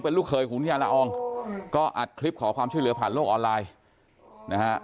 เป็นลูกเคยของนิตยาละอองก็อัดคลิปสร้างการขอความช่วยเหลือผ่านโรคออนไลน์